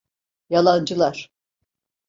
Yalancılar!